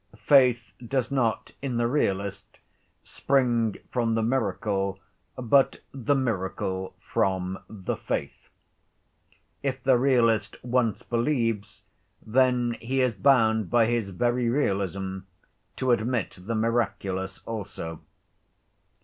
Faith does not, in the realist, spring from the miracle but the miracle from faith. If the realist once believes, then he is bound by his very realism to admit the miraculous also.